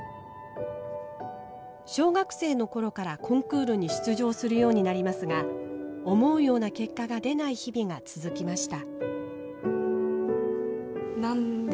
小学生の頃からコンクールに出場するようになりますが思うような結果が出ない日々が続きました。